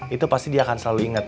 itu pasti dia akan selalu ingat